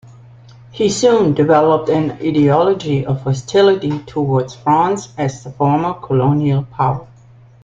He soon developed an ideology of hostility towards France as the former colonial power.